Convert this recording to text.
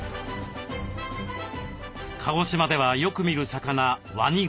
鹿児島ではよく見る魚ワニゴチ。